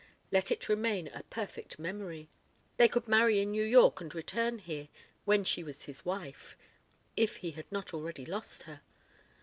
Let it remain a perfect memory. ... They could marry in New York and return here, when she was his wife. ... If he had not already lost her.